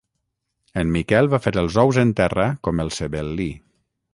En Miquel va fer els ous en terra com el sebel·lí.